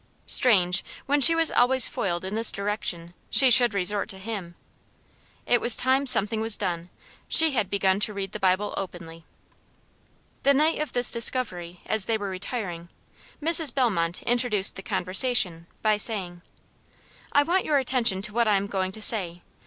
Strange, when she was always foiled in this direction, she should resort to him. It was time something was done; she had begun to read the Bible openly. The night of this discovery, as they were retiring, Mrs. Bellmont introduced the conversation, by saying: "I want your attention to what I am going to say.